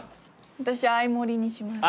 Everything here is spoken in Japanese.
私相盛りにします。